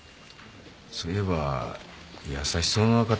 そういえば優しそうな方ですもんね。